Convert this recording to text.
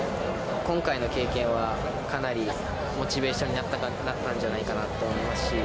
今回の経験はかなりモチベーションになったんじゃないかなって思うし。